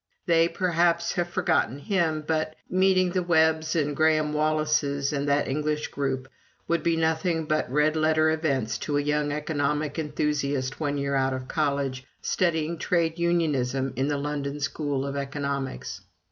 They, perhaps, have forgotten him; but meeting the Webbs and Graham Wallas and that English group could be nothing but red letter events to a young economic enthusiast one year out of college, studying Trade Unionism in the London School of Economics.